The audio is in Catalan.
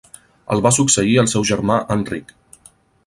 El va succeir el seu germà Enric.